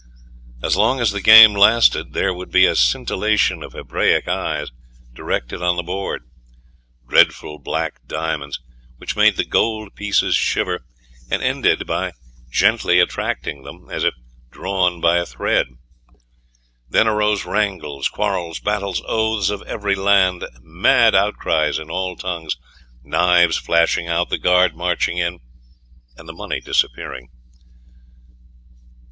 As long as the game lasted there would be a scintillation of Hebraic eyes directed on the board dreadful black diamonds, which made the gold pieces shiver, and ended by gently attracting them, as if drawn by a thread. Then arose wrangles, quarrels, battles, oaths of every land, mad outcries in all tongues, knives flashing out, the guard marching in, and the money disappearing.